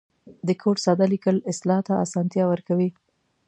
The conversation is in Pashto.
د کوډ ساده لیکل اصلاح ته آسانتیا ورکوي.